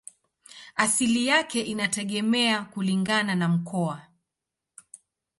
Asili yake inategemea kulingana na mkoa.